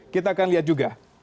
kita akan lihat juga